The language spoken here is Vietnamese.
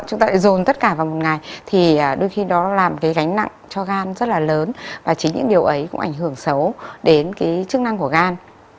chúng ta lại dồn tất cả vào một ngày thì đôi khi đó làm cái gánh nặng cho gan rất là lớn và chính những điều ấy cũng ảnh hưởng xấu đến cái chức năng của gan